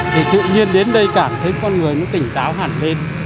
thì tự nhiên đến đây cảm thấy con người nó tỉnh táo hẳn lên